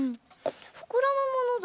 ふくらむものか。